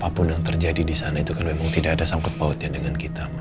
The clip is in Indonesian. apapun yang terjadi di sana itu kan memang tidak ada sangkut pautnya dengan kita